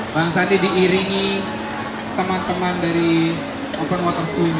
bang sandi diiringi teman teman dari open water swing